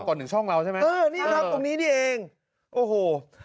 ก่อนหนึ่งช่องเราใช่ไหมเออนี่ครับตรงนี้นี่เองโอ้โห